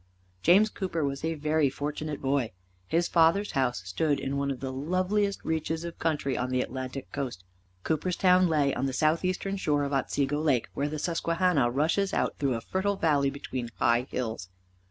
James Cooper was a very fortunate boy. His father's house stood in one of the loveliest reaches of country on the Atlantic coast. Cooperstown lay on the southeastern shore of Otsego Lake, where the Susquehanna rushes out through a fertile valley between high hills.